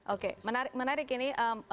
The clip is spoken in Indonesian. oke menarik ini